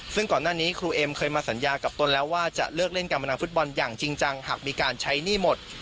ซึ่งก่อนหน้านี้ครูเอ็มเคยมาสัญญากับตนแล้วว่าจะเลิกเล่นการพนันฟุตบอลอย่างจริงจังหากมีการใช้หนี้หมด